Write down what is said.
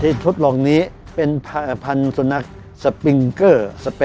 ที่ชุดลองนี้เป็นพันธุ์สุนัขสปิงเกอร์